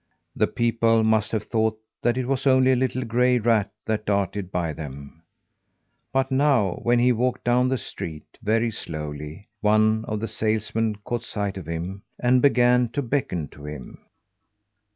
The people must have thought that it was only a little gray rat that darted by them. But now, when he walked down the street, very slowly, one of the salesmen caught sight of him, and began to beckon to him.